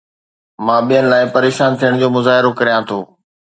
مان ٻين لاءِ پريشان ٿيڻ جو مظاهرو ڪريان ٿو